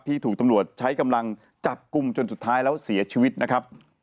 ถูกตำรวจใช้กำลังจับกลุ่มจนสุดท้ายแล้วเสียชีวิตนะครับ